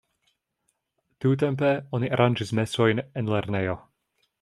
Tiutempe oni aranĝis mesojn en lernejo.